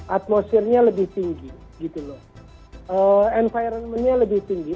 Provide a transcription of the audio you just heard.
atmosfernya lebih tinggi environment nya lebih tinggi